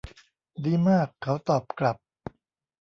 ดีมาก เขาตอบกลับ